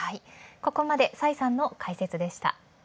ここまで崔さんの解説でした。